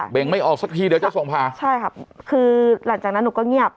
งไม่ออกสักทีเดี๋ยวจะส่งผ่าใช่ครับคือหลังจากนั้นหนูก็เงียบ